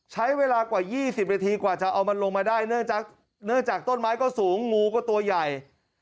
ใช้เวลากว่า๒๐นาทีกว่าจะเอามันลงมาได้เนื่องจากต้นไม้ก็สูงงูก็ตัวใหญ่